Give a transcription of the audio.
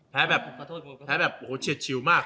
แพ้แบบแพ้แบบโอ้โหเฉียดชิวมาก